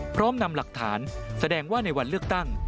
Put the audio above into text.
พร้อมนำหลักฐานแสดงว่าในวันเลือกตั้ง